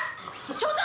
ちょっと。